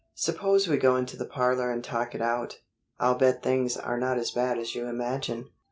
"Suppose we go into the parlor and talk it out. I'll bet things are not as bad as you imagine."